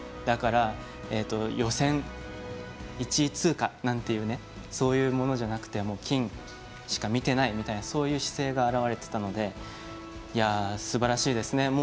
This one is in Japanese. だから、予選１位通過なんていうそういうものじゃなくて金しか見てないみたいなそういう姿勢が表れていたのですばらしいですね。